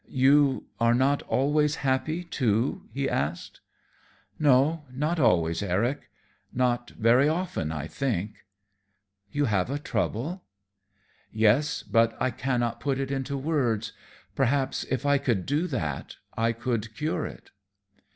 "You are not always happy, too?" he asked. "No, not always, Eric; not very often, I think." "You have a trouble?" "Yes, but I cannot put it into words. Perhaps if I could do that, I could cure it."